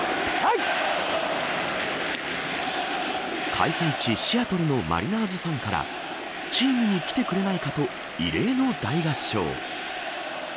開催地シアトルのマリナーズファンからチームに来てくれないかと異例の大合唱。